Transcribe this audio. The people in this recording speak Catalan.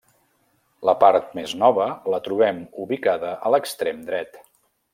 La part més nova la trobem ubicada a l'extrem dret.